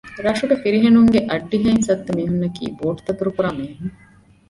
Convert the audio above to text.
ރަށުގެ ފިރިހެނުންގެ އައްޑިހަ އިން ސައްތަ މީހުންނަކީ ބޯޓްދަތުރުކުރާ މީހުން